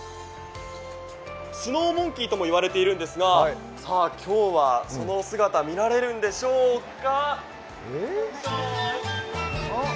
スノーモンキーとも言われているんですが今日はその姿見られるんでしょうか？